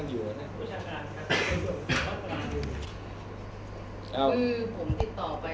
ซึ่งตอนนี้เราก็จำนวนการไป